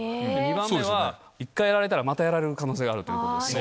２番目は、一回やられたらまたやられる可能性があるということですね。